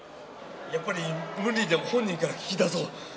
やっぱり無理にでも本人から聞き出そう。